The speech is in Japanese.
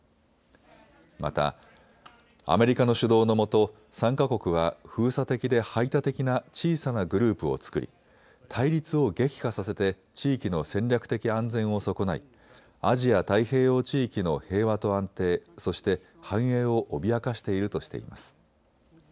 また、アメリカの主導のもと３か国は封鎖的で排他的な小さなグループを作り対立を激化させて地域の戦略的安全を損ないアジア太平洋地域の平和と安定、そして繁栄を脅かしているとしています。